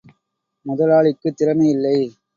முதலாளிக்குத் திறமை இல்லை!